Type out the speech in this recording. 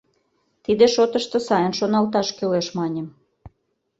— Тиде шотышто сайын шоналташ кӱлеш, — маньым.